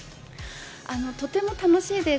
とても楽しいです。